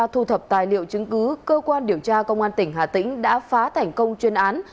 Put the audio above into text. thu thập tài liệu chứng cứ cơ quan điều tra công an tỉnh hà tĩnh đã phá thành công chuyên án